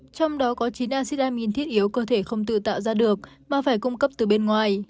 trong đó có chín acid amin thiết yếu cơ thể không tự tạo ra được mà phải cung cấp từ bên ngoài